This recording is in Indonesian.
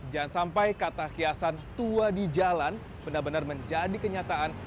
jangan sampai kata kiasan tua di jalan benar benar menjadi kenyataan